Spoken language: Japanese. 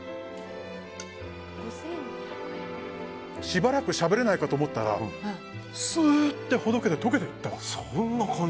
しばらくしゃべれないかと思ったらすーってほどけて溶けていってます。